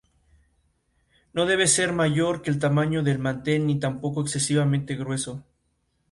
Diferentes estilos de la serpiente imitan diferentes movimientos de las mismas.